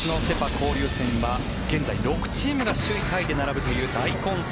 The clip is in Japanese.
交流戦は現在６チームが首位タイで並ぶという大混戦。